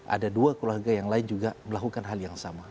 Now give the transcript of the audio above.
ada dua keluarga yang lain juga melakukan hal yang sama